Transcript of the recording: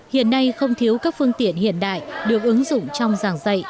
hiện nay không thiếu các phương tiện hiện đại được ứng dụng trong giảng dạy